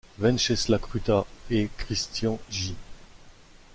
Venceslas Kruta et Christian-J.